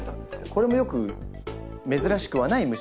これもよく珍しくはない虫なんですか？